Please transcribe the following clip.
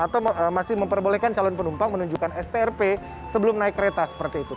atau masih memperbolehkan calon penumpang menunjukkan strp sebelum naik kereta seperti itu